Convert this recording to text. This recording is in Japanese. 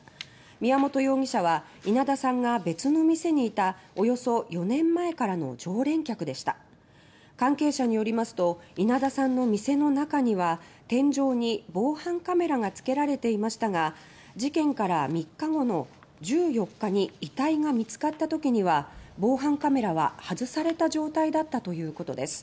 宮本容疑者は稲田さんが別の店にいたおよそ４年前からの常連客でした関係者によりますと稲田さんの店の中には天井に防犯カメラがつけられていましたが事件から３日後の１４日に遺体が見つかったときには防犯カメラは外された状態だったということです。